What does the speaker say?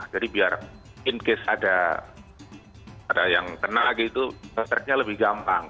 jadi biar in case ada yang kena gitu check nya lebih gampang